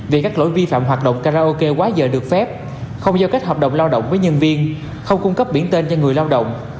vì các lỗi vi phạm hoạt động karaoke quá dời được phép không do kết hợp động lao động với nhân viên không cung cấp biển tên cho người lao động